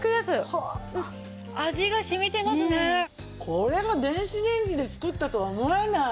これは電子レンジで作ったとは思えない！